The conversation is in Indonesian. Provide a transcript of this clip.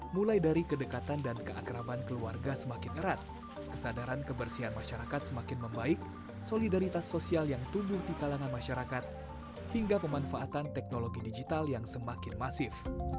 mulai dari kedekatan dan keakraban keluarga semakin erat kesadaran kebersihan masyarakat semakin membaik solidaritas sosial yang tumbuh di kalangan masyarakat hingga pemanfaatan teknologi digital yang semakin masif